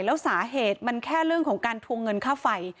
แล้วสาเหตุมันแค่เรื่องของการทวงเงินค่าไฟ